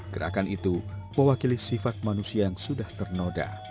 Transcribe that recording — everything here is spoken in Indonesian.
gerakan itu mewakili sifat manusia yang sudah ternoda